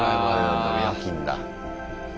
夜勤だ。